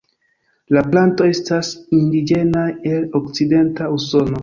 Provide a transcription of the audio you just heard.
La plantoj estas indiĝenaj el Okcidenta Usono.